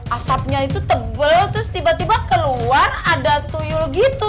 asapnya itu tebal terus tiba tiba keluar ada tuyul gitu